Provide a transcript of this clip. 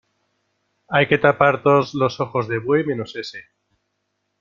hay que tapar todos los ojos de buey, menos ese